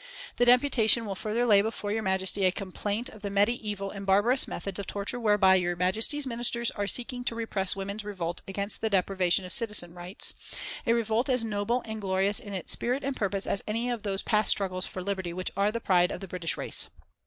"The Deputation will further lay before Your Majesty a complaint of the mediæval and barbarous methods of torture whereby Your Majesty's Ministers are seeking to repress women's revolt against the deprivation of citizen rights a revolt as noble and glorious in its spirit and purpose as any of those past struggles for liberty which are the pride of the British race.